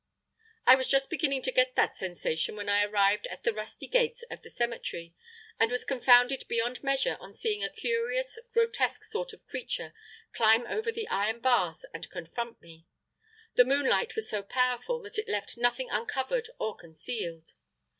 I was just beginning to get that sensation when I arrived at the rusty gates of the cemetery, and was confounded beyond measure on seeing a curious, grotesque sort of creature climb over the iron bars and confront me. The moonlight was so powerful that it left nothing uncovered or concealed.